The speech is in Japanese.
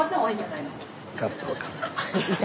分かった分かった。